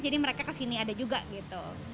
jadi mereka ke sini ada juga gitu